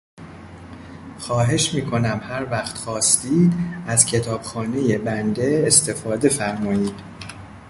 خواهش میکنم هر وقت خواستید از کتابخانهی بنده استفاده فرمایید.